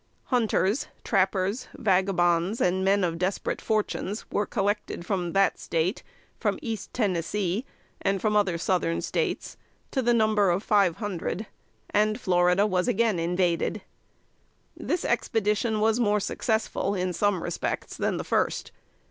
Hunters, trappers, vagabonds, and men of desperate fortunes, were collected from that State, from East Tennessee, and from other Southern States, to the number of five hundred; and Florida was again invaded. This expedition was more successful, in some respects, than the first.